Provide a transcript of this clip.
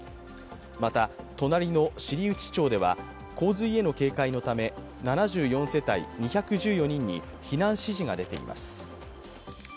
また、隣の知内町では洪水への警戒のため７４世帯２１４人に避難指示が出ています。